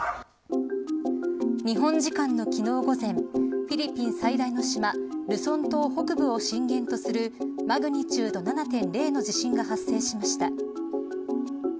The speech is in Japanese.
日本時間の昨日午前フィリピン最大の島ルソン島北部を震源とするマグニチュード７．０の地震が発生しました。